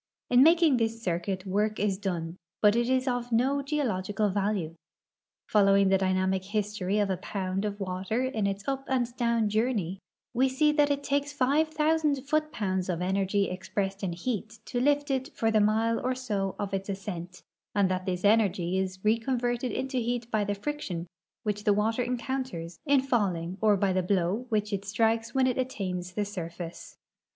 In making this circuit work is done, but it is of no geo logical value. Following the dynamic history of a pound of water in its up and down journey, we see that it takes five thousand foot pounds of energy expressed in heat to lift it for the mile or so of its ascent, and that this energ}'' is reconverted into heat b}' the friction which the water encounters in falling or by the blow which it strikes when it attains the surface.